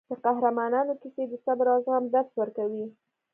د قهرمانانو کیسې د صبر او زغم درس ورکوي.